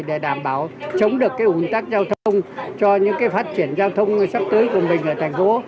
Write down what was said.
để đảm bảo chống được cái ủng tắc giao thông cho những cái phát triển giao thông sắp tới của mình ở thành phố